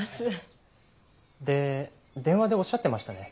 で電話でおっしゃってましたね